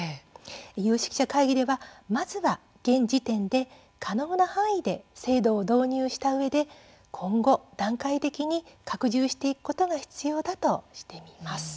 有識者会議ではまずは、現時点で可能な範囲で制度を導入したうえで今後段階的に拡充していくことが必要だとしています。